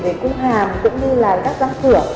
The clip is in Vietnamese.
về cung hàm cũng như là các răng cửa